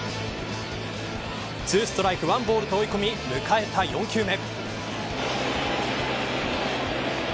２ストライク１ボールと追い込み迎えた４球目。